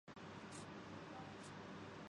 حکومت نے جو بھی سبسڈی دینی ہے وہ کسان کو ملے گی